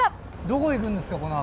どこ行くんですか？